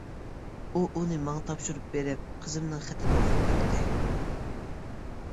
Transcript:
ئۇ ئۇنى ماڭا تاپشۇرۇپ بېرىپ، قىزىمنىڭ خېتىنى ئوقۇپ بەردى.